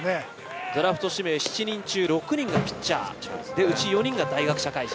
ドラフト指名７人中６人がピッチャー、うち４人が大学、社会人。